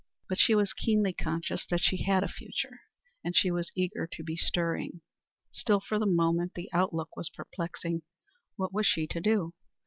But she was keenly conscious that she had a future, and she was eager to be stirring. Still, for the moment, the outlook was perplexing. What was she to do?